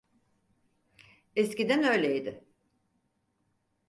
Eskiden öyleydi.